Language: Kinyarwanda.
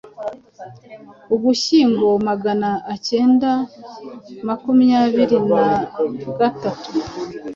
Ugushyingo Magana acyenda makumyabiri na gatatu